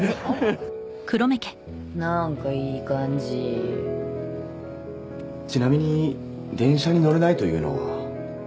なんかいい感じちなみに電車に乗れないというのは？